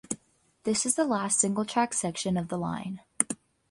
This is the last single track section of the line.